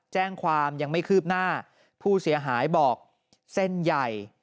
แจ้งความยังไม่คืบหน้าผู้เสียหายบอกเส้นใหญ่